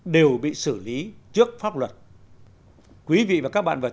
đều bị xử lý trước pháp luật